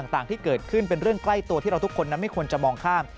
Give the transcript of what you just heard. ต่างที่เกิดขึ้นเป็นเรื่องใกล้ตัวที่เราทุกคนนั้นไม่ควรจะมองข้าม